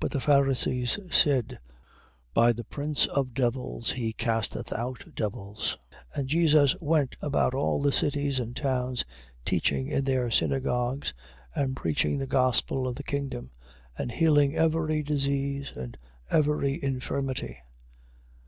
9:34. But the Pharisees said, By the prince of devils he casteth out devils. 9:35. And Jesus went about all the cities and towns, teaching in their synagogues, and preaching the gospel of the kingdom, and healing every disease, and every infirmity.